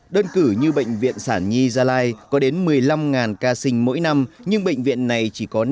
đơn cử như bệnh viện sản nhi gia lai có đến một mươi năm ca sinh mỗi năm nhưng bệnh viện này chỉ có năm